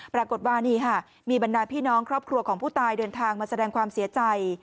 ปรากฏว่านี่ค่ะมีบรรดาพี่น้องครอบครัวของผู้ตายเดินทางมาแสดงความเสียใจ